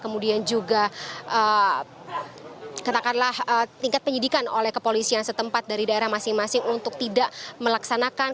kemudian juga katakanlah tingkat penyidikan oleh kepolisian setempat dari daerah masing masing untuk tidak melaksanakan